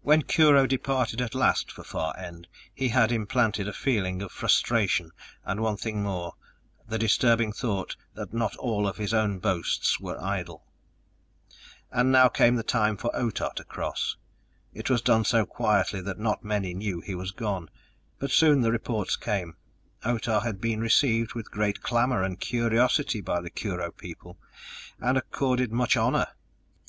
When Kurho departed at last for Far End, he had implanted a feeling of frustration and one thing more the disturbing thought that not all of his own boasts were idle! And now came the time for Otah to cross. It was done so quietly that not many knew he was gone, but soon the reports came: Otah had been received with great clamor and curiosity by the Kurho people, and accorded much honor!